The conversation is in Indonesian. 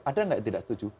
ada nggak yang tidak setuju